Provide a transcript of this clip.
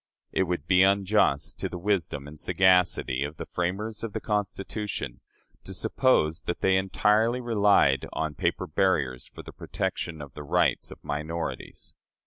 It would be unjust to the wisdom and sagacity of the framers of the Constitution to suppose that they entirely relied on paper barriers for the protection of the rights of minorities.